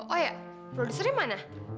oh iya produsernya mana